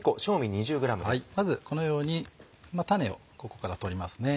まずこのように種をここから取りますね。